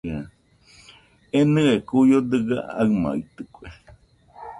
Enɨe kuio dɨga aɨmaitɨkue.